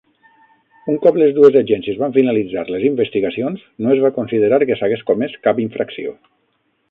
Un cop les dues agències van finalitzar les investigacions, no es va considerar que s'hagués comès cap infracció.